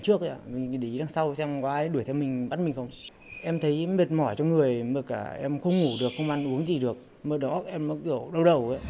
các bạn hãy đăng kí cho kênh lalaschool để không bỏ lỡ những video hấp dẫn